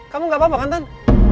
kamu gak apa apa kan tan